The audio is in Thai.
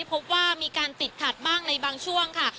พบว่ามีการติดขัดบ้างในบางช่วงค่ะ